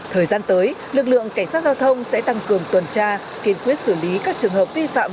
thời gian tới lực lượng cảnh sát giao thông sẽ tăng cường tuần tra kiên quyết xử lý các trường hợp vi phạm